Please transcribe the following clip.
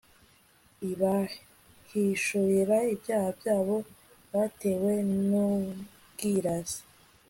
ibahishurira ibyaha byabo batewe n'ubwirasi